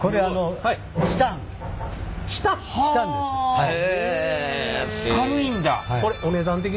はい。